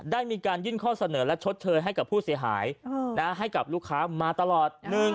ได้มีการยื่นข้อเสนอและชดเชยให้กับผู้เสียหายให้กับลูกค้ามาตลอด